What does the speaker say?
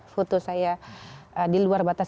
foto saya di luar batas